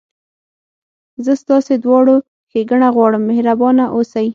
زه ستاسي دواړو ښېګڼه غواړم، مهربانه اوسئ.